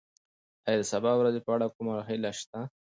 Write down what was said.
ایا د سبا ورځې په اړه کومه هیله شته؟